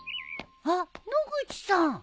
あっ野口さん。